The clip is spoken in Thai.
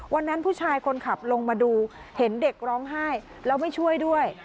วันนั้นผู้ชายคนขับลงมาดูเห็นเด็กร้องไห้แล้วไม่ช่วยด้วย